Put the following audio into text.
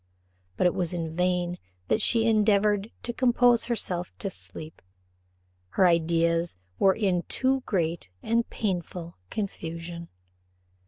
But it was in vain that she endeavoured to compose herself to sleep; her ideas were in too great and painful confusion.